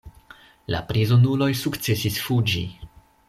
La prizonuloj sukcesis fuĝi.